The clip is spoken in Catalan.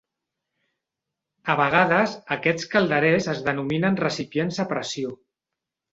A vegades, aquests calderers es denominen recipients a pressió.